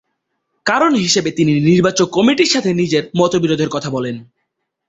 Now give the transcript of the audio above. কারণ হিসেবে তিনি নির্বাচক কমিটির সাথে নিজের মতবিরোধের কথা বলেন।